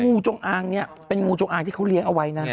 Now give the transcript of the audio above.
งูจงอางเนี่ยเป็นงูจงอางที่เขาเลี้ยงเอาไว้นะ